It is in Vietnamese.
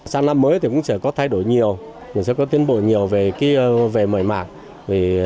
sang năm mới thì cũng sẽ có thay đổi nhiều mình sẽ có tiến bộ nhiều về mở mạng